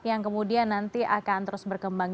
yang kemudian nanti akan terus berkembang